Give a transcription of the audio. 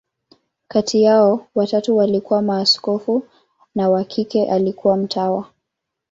Kati yao, watatu walikuwa maaskofu, na wa kike alikuwa mtawa.